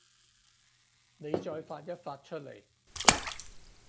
妳再發一發出嚟